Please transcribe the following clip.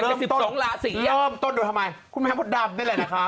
แล้วกัน๑๒ลาสีอะเริ่มต้นต้นดูทำไมคุณแม่งหมดดำนี่แหละนะคะ